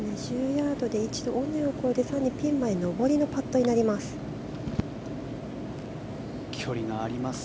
２０ヤードで一度尾根を越えて更にピンまで上りのパットになります。